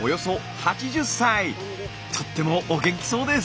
とってもお元気そうです。